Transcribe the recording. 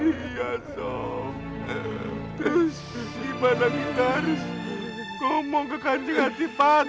iya sob terus gimana kita harus ngomong ke kancing hati panti